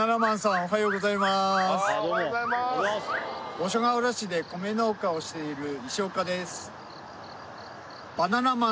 五所川原市で米農家をしている石岡です